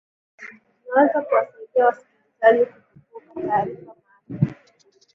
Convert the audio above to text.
zinaweza kuwasaidia wasikilizaji kukunbuka taarifa maalum